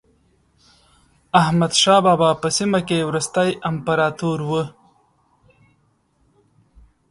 احمد شاه بابا په سیمه کې وروستی امپراتور و.